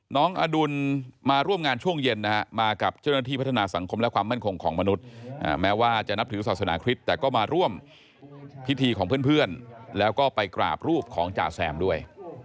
น้องอดุลมาร่วมงานช่วงเย็นนะฮะมากับเจ้าหน้าที่พัฒนาสังคมและความมั่นคงของมนุษย์แม้ว่าจะนับถือศาสนาคริสต์แต่ก็มาร่วมพิธีของเพื่อนแล้วก็ไปกราบรูปของจ่าแซมด้วย